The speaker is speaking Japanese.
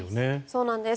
そうなんです。